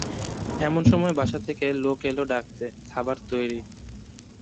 এমন সময় বাসা থেকে লোক এল ডাকতে– খাবার তৈরি।